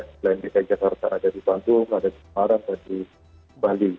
selain dki jakarta ada di bandung ada di semarang ada di bali